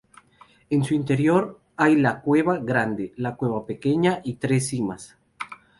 En su interior hay la cueva Grande, la cueva Pequeña y tres simas.